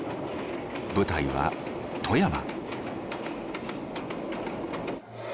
舞台は富山。